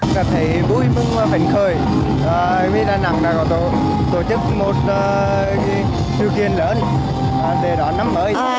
cảm thấy vui vẻ và vĩnh khởi vì đà nẵng đã tổ chức một thư kiến lớn về đoạn năm mới